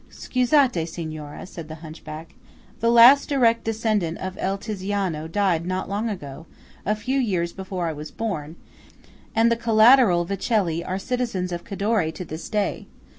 "Scusate, Signora," said the hunchback. "The last direct descendant of 'Il Tiziano' died not long ago–a few years before I was born; and the collateral Vecelli are citizens of Cadore to this day.